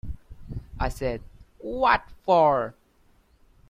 I said “What for?”’